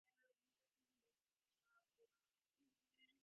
އޭނާ ފާޚާނާޔަށް ވަދެ އިރުކޮޅެއްފަހުން ތަވީދު ޖީބަށް ލައިގެން ނިކުތީ